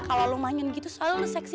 kalau lo mainin gitu selalu lo seksi